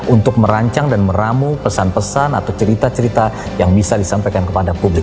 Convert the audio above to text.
untuk merancang dan meramu pesan pesan atau cerita cerita yang bisa disampaikan kepada publik